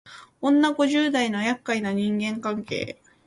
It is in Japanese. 女五十代のやっかいな人間関係